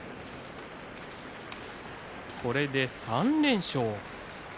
これで３連勝です。